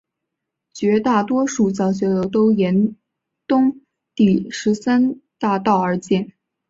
绝大多数教学楼都沿东第十三大道而建。